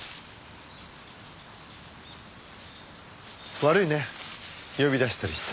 悪いね呼び出したりして。